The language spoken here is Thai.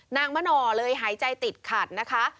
นางมะหน่อเลยหายใจติดขัดนะคะ